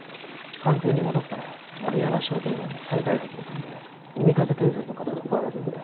官邸に戻ったら狸穴商店街の再開発の件で海風建設の方が来られるので。